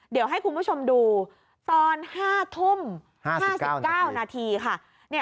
เดี๋ยวให้คุณผู้ชมดูตอน๕ทุ่ม๕๙นาทีค่ะ